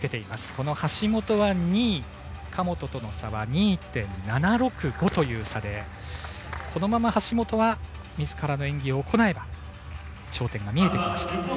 この橋本は２位、神本との差は２．７６５という差でこのまま橋本はみずからの演技を行えば頂点が見えてきます。